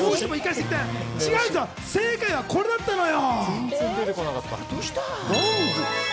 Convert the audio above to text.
正解はこれだったのよ。